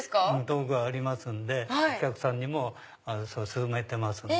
道具ありますんでお客さんにも勧めてます。